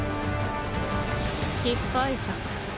失敗作。